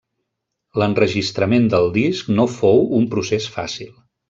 L'enregistrament del disc no fou un procés fàcil.